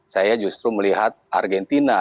saya justru melihat argentina